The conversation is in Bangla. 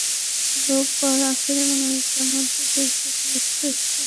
কাল রোববার আখেরি মোনাজাতের মধ্য দিয়ে শেষ হবে বিশ্ব ইজতেমার প্রথম দফা।